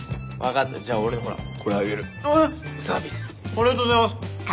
ありがとうございます！